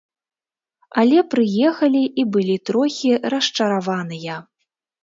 Але прыехалі і былі трохі расчараваныя.